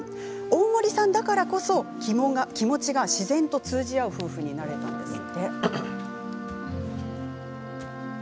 大森さんだからこそ気持ちが自然と通じ合う夫婦になれたといいます。